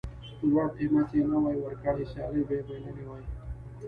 لوړ قېمت یې نه وای ورکړی سیالي یې بایللې وای.